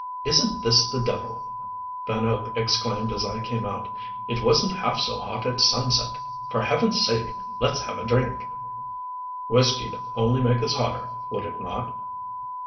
"Isn't this the devil?" Van Hope exclaimed as I came out. "It wasn't half so hot at sunset. For Heaven's sake let's have a drink." "Whiskey'd only make us hotter, would it not?"